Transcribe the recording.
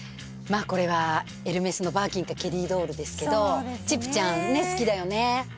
これはエルメスのバーキンかケリードールですけどちぴちゃん好きだよね。